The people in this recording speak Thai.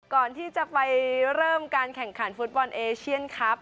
ก่อนที่จะไปเริ่มการแข่งขันฟุตบอลเอเชียนครับ